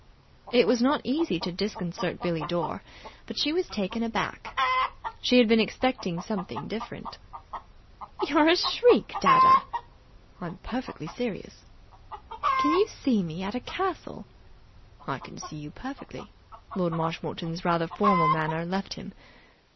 It was not easy to disconcert Billie Dore, but she was taken aback. She had been expecting something different. "You're a shriek, dadda!" "I'm perfectly serious." "Can you see me at a castle?" "I can see you perfectly." Lord Marshmoreton's rather formal manner left him.